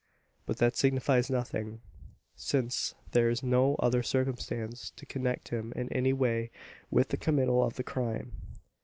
But that signifies nothing: since there is no other circumstance to connect him in any way with the committal of the crime."